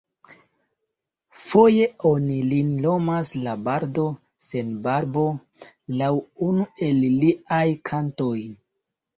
Foje oni lin nomas la "Bardo sen barbo", laŭ unu el liaj kantoj.